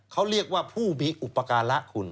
เขาเรียกว่าผู้มีอุปการะคุณ